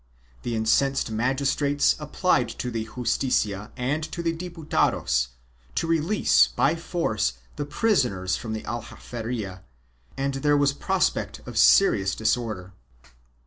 The incensed magistrates applied to the Justicia and to the Diputados, to release by force the prisoners from the Aljaferia and there wras prospect of serious disorder.